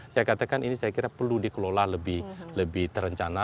saya katakan ini saya kira perlu dikelola lebih terencana